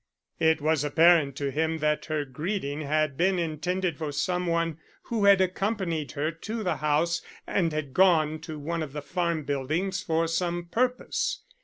It was apparent to him that her greeting had been intended for some one who had accompanied her to the house and had gone to one of the farm buildings for some purpose.